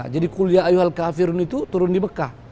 jadi kuliah ayuhal kafirun itu turun di mekah